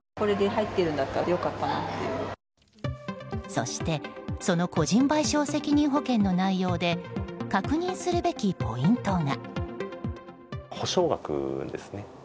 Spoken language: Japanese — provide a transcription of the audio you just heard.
そしてその個人賠償責任保険の内容で確認するべきポイントが。